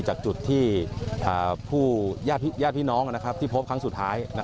จากจุดที่ญาติพี่น้องที่พบครั้งสุดท้าย